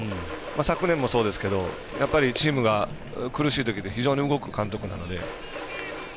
昨年もそうですけどやっぱりチームが苦しいときって非常に動く監督なので。